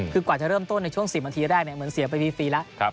คือกว่าจะเริ่มต้นในช่วง๑๐นาทีแรกเหมือนเสียไปฟรีแล้ว